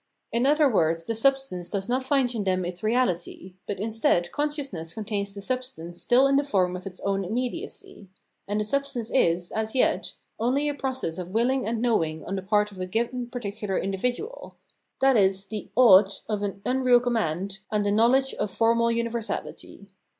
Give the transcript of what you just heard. In other words, the substance does not find in them its reality: but instead conscious ness contains the substance still in the form of its own immediacy ; and the substance is, as yet, only a process of willing and knowing on the part of a given particular individual, i.e. the " ought " of an un real command and a knowledge of formal universality.